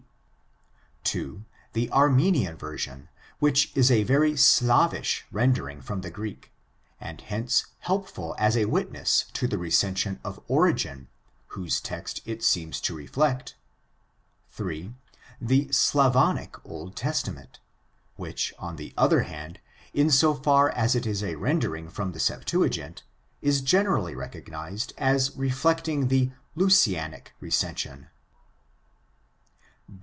d.; (2) the Armenian version which is a very slavish rendering from the Greek, and hence helpful as a witness to the recension of Origen, whose text it seems to reflect; (3) the Slavonic Old Testament, which on the other hand, in so far as it is a rendering from the Septuagint, is generally recognized as reflecting the Lucianic recension.